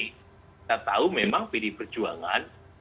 kita tahu memang pdi perjuangan